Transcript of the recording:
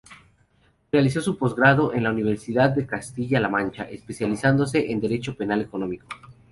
Realizó su posgrado en la Universidad de Castilla-La Mancha especializándose en Derecho Penal Económico.